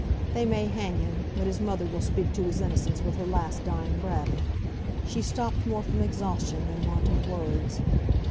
They may hang him, but his mother will speak to his innocence with her last dying breath." She stopped more from exhaustion than want of words.